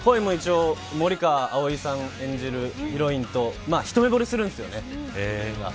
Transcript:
恋も一応、森川葵さん演じるヒロインと、一目ぼれするんですよね、自分が。